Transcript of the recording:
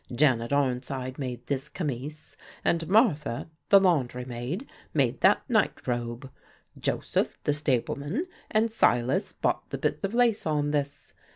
Janet Arnside made this camise, and Martha, the laundry maid, made that nightrobe. Joseph, the stableman, and Silas bought the bit of lace on this.